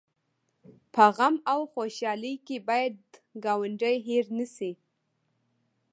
په غم او خوشحالۍ کې باید ګاونډی هېر نه شي